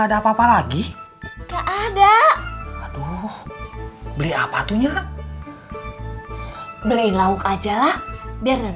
ada kak claudia